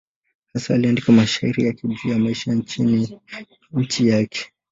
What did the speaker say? Hasa aliandika mashairi juu ya maisha ya nchi yake.